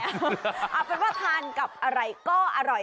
เอาเป็นว่าทานกับอะไรก็อร่อย